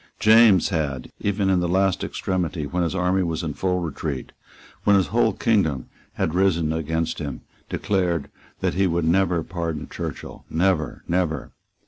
James had, even in the last extremity, when his army was in full retreat, when his whole kingdom had risen against him, declared that he would never pardon Churchill, never, never.